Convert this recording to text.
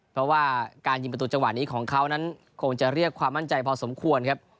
เพราะว่าการยิงประตูจังหวะนี้ของเขานั้นคงจะเรียกความมั่นใจพอสมควรครับ